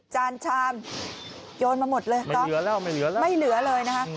จานชามโยนมาหมดเลยเหลือแล้วไม่เหลือแล้วไม่เหลือเลยนะคะ